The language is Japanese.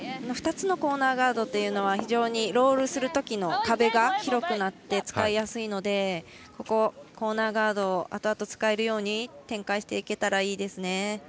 ２つのコーナーガードは非常にロールするときの壁が広くなって使いやすいのでここ、コーナーガードを後々で使えるように展開していけたらいいですね。